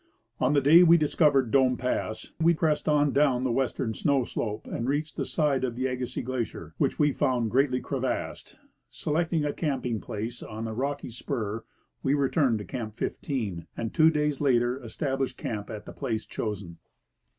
On the day we discovered Dome pass, we pressed on down the west ern snow slope and reached the side of the Agassiz glacier, Avhich we found greatly crevassed ; selecting a camping place on a rocky spur, we returned to Camp 15, and two days later estab lished camp at the place chosen.